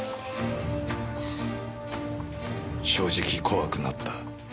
正直怖くなった。